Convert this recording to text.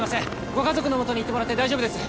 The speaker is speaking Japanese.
ご家族のもとに行ってもらって大丈夫です。